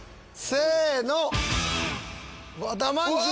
せの！